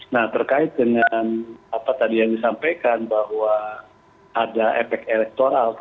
nah terkait dengan apa tadi yang disampaikan bahwa ada efek elektoral